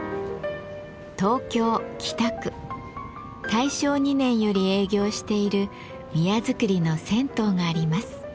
大正２年より営業している宮造りの銭湯があります。